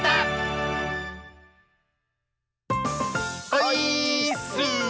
オイーッス！